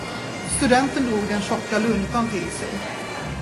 Studenten drog den tjocka luntan till sig.